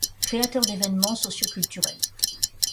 Créateur d’événements sociaux culturels.